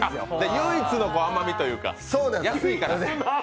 唯一の甘みというか安いから。